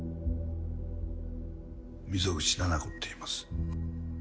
溝口七菜子っていいます。